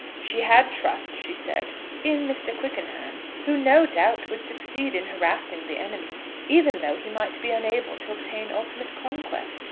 "She had trust," she said, "in Mr. Quickenham, who no doubt would succeed in harassing the enemy, even though he might be unable to obtain ultimate conquest.